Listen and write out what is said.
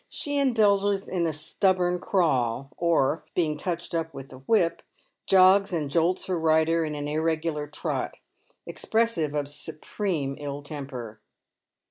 She indulges in a stubborn crawl, or, being touched up with the whip, jogs and jolts her rider in an irregular trot, expressive of supreme ill temper.